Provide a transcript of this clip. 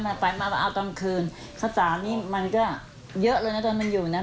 มันก็เอาไปตอนคืนไม่ว่าหรอกไปเถอะ